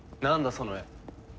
その絵。